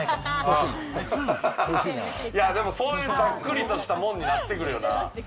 そういうざっくりとしたもんになってくるよな。